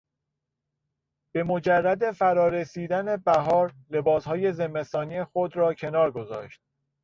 به مجرد فرار رسیدن بهار لباسهای زمستانی خود را کنار گذاشت.